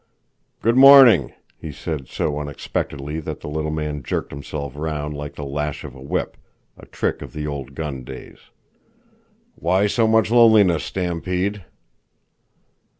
"Good morning," he said so unexpectedly that the little man jerked himself round like the lash of a whip, a trick of the old gun days. "Why so much loneliness, Stampede?"